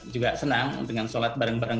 juga senang dengan sholat bareng bareng